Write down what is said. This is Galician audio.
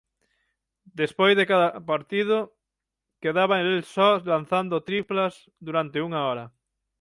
Despois de cada partido quedaba el só lanzando triplas durante unha hora.